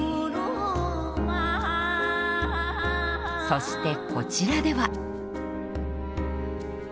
そしてこちらでは。